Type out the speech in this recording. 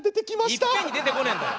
いっぺんに出てこねえんだよ。